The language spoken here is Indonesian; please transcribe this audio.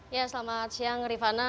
ya selamat siang rifana